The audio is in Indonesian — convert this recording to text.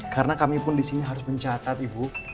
karena kami pun di sini harus mencatat ibu